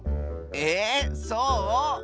えそう？